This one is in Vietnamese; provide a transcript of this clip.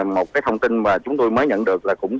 một cái thông tin mà chúng tôi mới nhận được là cũng